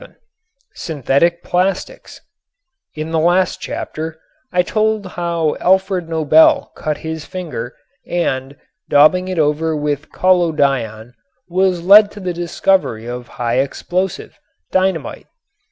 VII SYNTHETIC PLASTICS In the last chapter I told how Alfred Nobel cut his finger and, daubing it over with collodion, was led to the discovery of high explosive, dynamite.